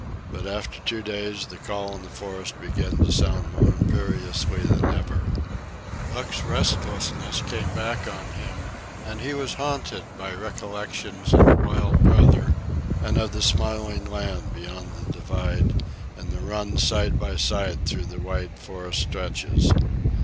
But after two days the call in the forest began to sound more imperiously than ever. Buck's restlessness came back on him, and he was haunted by recollections of the wild brother, and of the smiling land beyond the divide and the run side by side through the wide forest stretches.